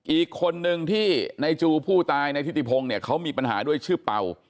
อีกคนนึงที่ในจูผู้ตายในทิติพงศ์เนี่ยเขามีปัญหาด้วยชื่อเป่า